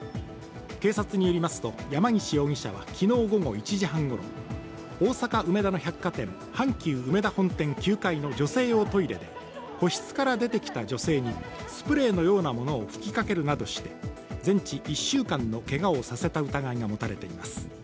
警察によりますと、山岸容疑者は昨日午後１時半ごろ、大阪・梅田の百貨店、阪急うめだ本店９階の女性用トイレで個室から出てきた女性にスプレーのようなものを吹きかけるなどして全治１週間のけがをさせた疑いが持たれています。